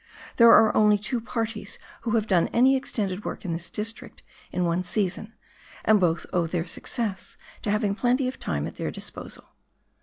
There are only two parties who have done any extended work in this district in one season, and both owe their success to having plenty of time at their disposal.